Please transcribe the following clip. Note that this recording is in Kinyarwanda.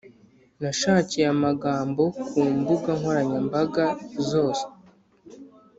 Nashakiye amagambo kumbuga nkoranya mbaga zose